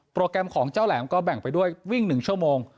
แกรมของเจ้าแหลมก็แบ่งไปด้วยวิ่ง๑ชั่วโมง